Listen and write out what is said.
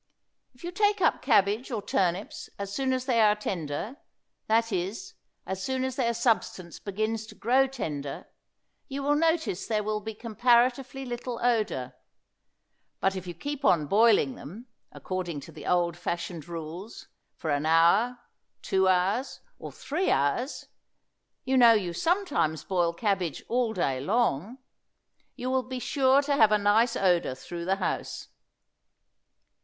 If you take up cabbage or turnips as soon as they are tender, that is, as soon as their substance begins to grow tender, you will notice there will be comparatively little odor; but if you keep on boiling them, according to the old fashioned rules, for an hour, two hours, or three hours, you know you sometimes boil cabbage all day long, you will be sure to have a nice odor through the house.